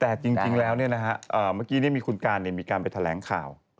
แต่จริงแล้วเมื่อกี้มีคุณการมีการไปแถลงข่าว